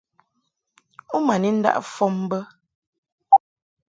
U ma ni ndaʼ fɔm bə.